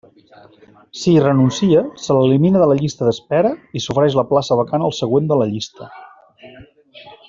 Si hi renuncia, se l'elimina de la llista d'espera i s'ofereix la plaça vacant al següent de la llista.